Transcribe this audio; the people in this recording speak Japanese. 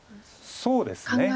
そうですね。